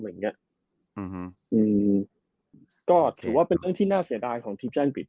ซึ่งถือว่าเป็นเรื่องน่าเสียดายของทีมชนัดอังกฤษ